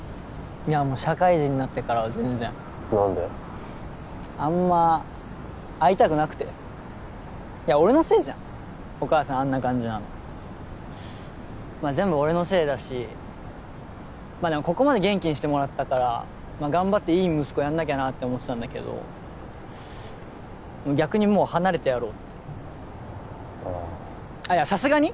いやもう社会人になってからは全然何で？あんま会いたくなくていや俺のせいじゃんお母さんあんな感じなのまっ全部俺のせいだしまあでもここまで元気にしてもらったから頑張っていい息子やんなきゃなって思ってたんだけど逆にもう離れてやろうってああいやさすがに？